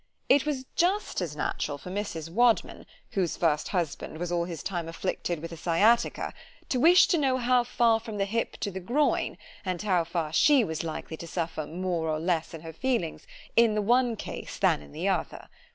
It was just as natural for Mrs. Wadman, whose first husband was all his time afflicted with a Sciatica, to wish to know how far from the hip to the groin; and how far she was likely to suffer more or less in her feelings, in the one case than in the other.